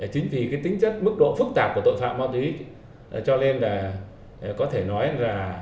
chính vì tính chất mức độ phức tạp của tội phạm ma túy cho nên là có thể nói là